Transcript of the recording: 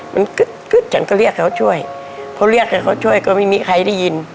มันกึ๊ดฉันก็เรียกเขาช่วยเพราะเรียกให้เขาช่วยก็ไม่มีใครได้ยิน